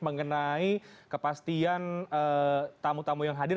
mengenai kepastian tamu tamu yang hadir